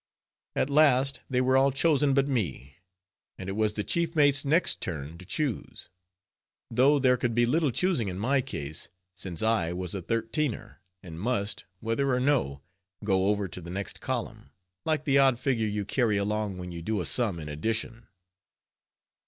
At last they were all chosen but me; and it was the chief mate's next turn to choose; though there could be little choosing in my case, since I was a thirteener, and must, whether or no, go over to the next column, like the odd figure you carry along when you do a sum in addition.